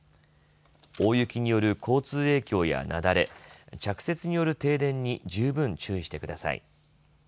大雪による交通影響や雪崩着雪による停電に十分注意してください。